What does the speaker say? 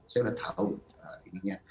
saya udah tahu ininya